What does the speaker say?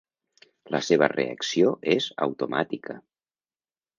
La seva reacció és automàtica.